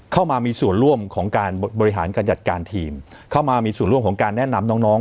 เข้ามามีส่วนร่วมของการบริหารการจัดการทีมเข้ามามีส่วนร่วมของการแนะนำน้องน้อง